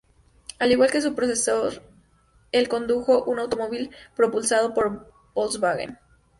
Al igual que su predecesor, el condujo un automóvil propulsado por Volkswagen.